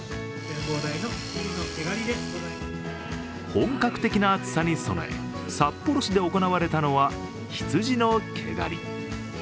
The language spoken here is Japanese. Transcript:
本格的な暑さに備え札幌市で行われたのは羊の毛刈り。